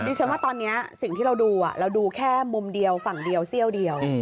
ฉันว่าตอนนี้สิ่งที่เราดูเราดูแค่มุมเดียวฝั่งเดียวเสี้ยวเดียว